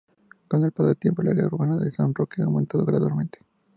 Con el paso del tiempo, el área urbana de San Roque ha aumentado gradualmente.